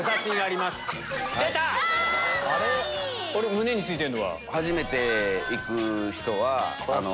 胸についてるのは？